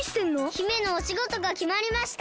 姫のおしごとがきまりました。